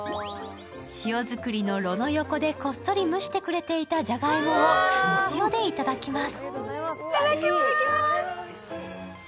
塩作りの炉の横でこっそり蒸してくれていたじゃがいもを藻塩でいただきます。